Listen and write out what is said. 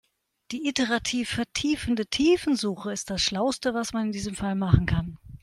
Die iterativ vertiefende Tiefensuche ist das schlauste, was man in diesem Fall machen kann.